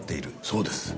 そうです。